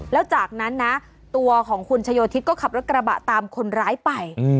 แล้วจากนั้นนะตัวของคุณชโยธิตก็ขับรถกระบะตามคนร้ายไป